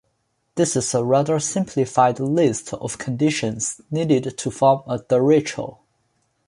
This is a rather simplified list of conditions needed to form a derecho.